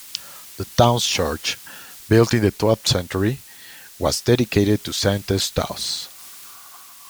The town's church, built in the twelfth century, was dedicated to Saint Eustace.